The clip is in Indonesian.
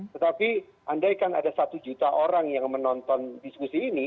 tetapi andaikan ada satu juta orang yang menonton diskusi ini